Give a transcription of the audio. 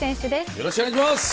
よろしくお願いします。